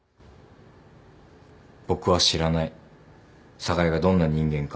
僕は知らない寒河江がどんな人間か。